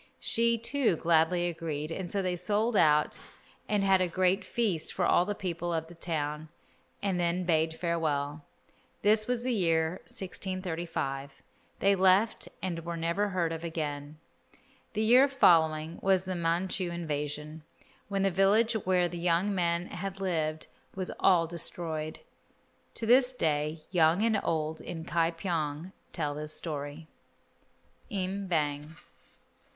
She, too, gladly agreed, and so they sold out and had a great feast for all the people of the town, and then bade farewell. This was the year 1635. They left and were never heard of again. The year following was the Manchu invasion, when the village where the young man had lived was all destroyed. To this day young and old in Ka pyong tell this story. Im Bang.